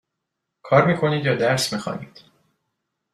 کار می کنید یا درس می خوانید؟